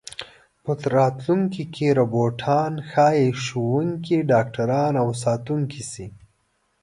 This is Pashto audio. په راتلونکي کې روباټان ښايي ښوونکي، ډاکټران او ساتونکي شي.